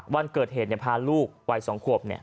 วันเกิดเหตุพาลูกวัย๒ขวบ